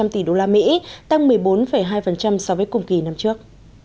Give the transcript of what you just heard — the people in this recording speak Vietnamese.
hai trăm linh tỷ đô la mỹ tăng một mươi bốn hai so với cùng kỳ năm trước